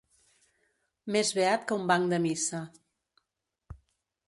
Més beat que un banc de missa.